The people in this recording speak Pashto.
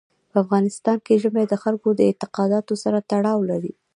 په افغانستان کې ژمی د خلکو د اعتقاداتو سره تړاو لري.